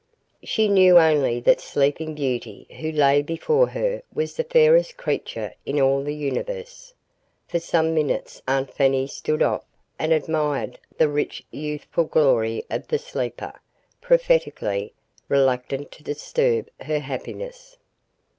She knew only that the sleeping beauty who lay before her was the fairest creature in all the universe. For some minutes Aunt Fanny stood off and admired the rich youthful glory of the sleeper, prophetically reluctant to disturb her happiness.